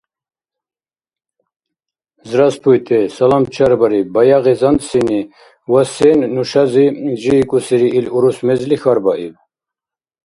— Здравствуйте, — салам чарбариб баягъи зантсини ва сен нушази жиикӀусири или урус мезли хьарбаиб.